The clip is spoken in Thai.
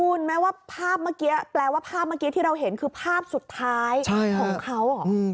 คุณไหมว่าภาพเมื่อกี้แปลว่าภาพเมื่อกี้ที่เราเห็นคือภาพสุดท้ายของเขา